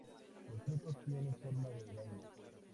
Los frutos tienen forma de vaina.